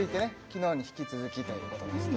昨日に引き続きということです